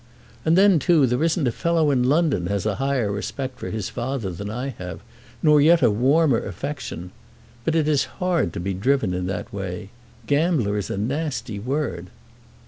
And then too there isn't a fellow in London has a higher respect for his father than I have, nor yet a warmer affection. But it is hard to be driven in that way. Gambler is a nasty word."